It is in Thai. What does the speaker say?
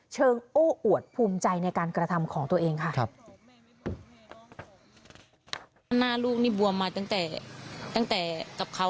โอ้อวดภูมิใจในการกระทำของตัวเองค่ะ